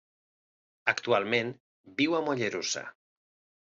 Actualment viu a Mollerussa.